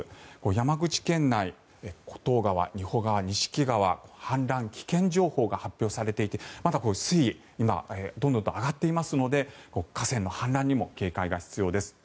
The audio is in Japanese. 山口県内、厚東川、仁保川錦川、氾濫危険情報が発表されていてまだ水位今はどんどん上がっていますので河川の氾濫にも警戒が必要です。